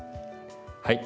はい。